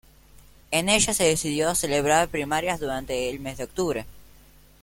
En ella se decidió celebrar primarias durante el mes de octubre.